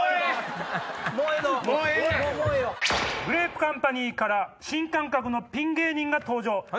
グレープカンパニーから新感覚のピン芸人が登場。